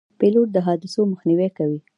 پیلوټ د حادثو مخنیوی کوي.